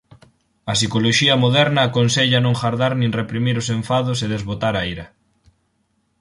A psicoloxía moderna aconsella non gardar nin reprimir os enfados e desbotar a ira.